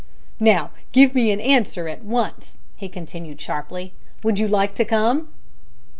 "Now give me an answer at once," he continued sharply. "Would you like to come?"